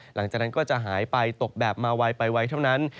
หลังจากนั้นก็จะหายไปตกแบบมาไวไปไวเท่านั้น